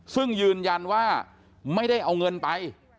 ซึ่งยืนยันว่าไม่ได้เอาเงินไป